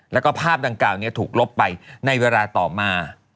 แล้วก็ภาพดังกล่าวถูกลบไปในเวลาต่อมา